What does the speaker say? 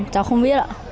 cháu không biết ạ